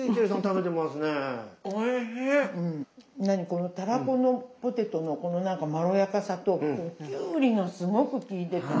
このたらこのポテトのこのなんかまろやかさときゅうりがすごくきいててね。